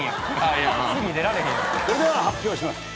それでは発表します。